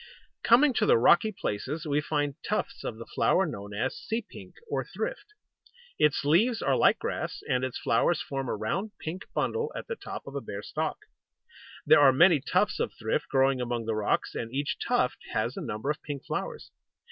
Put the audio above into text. Coming to the rocky places, we find tufts of the flower known as Sea Pink or Thrift. Its leaves are like grass, and its flowers form a round pink bundle at the top of a bare stalk. There are many tufts of Thrift growing among the rocks; and each tuft has a number of pink flowers.